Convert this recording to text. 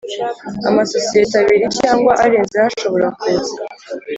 Amasosiyete abiri cyangwa arenzeho ashobora kuza